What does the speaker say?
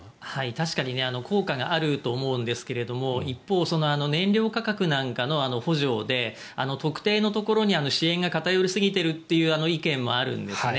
確かに効果があると思うんですが一方、燃料価格なんかの補助で特定のところに支援が偏りすぎてるという意見もあるんですね。